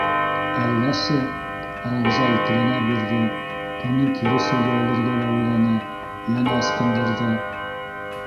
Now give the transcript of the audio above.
Әлләсе, - Рауза икеләнә бирҙе, тунын кире сөйгә элергә лә уйланы, йәнә ысҡындырҙы.